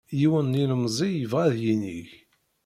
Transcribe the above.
Yiwen n yilemẓi yebɣa ad yinig.